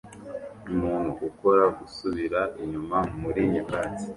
Umuntu ukora gusubira inyuma muri nyakatsi